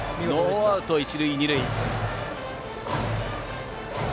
ノーアウトランナー、一塁二塁。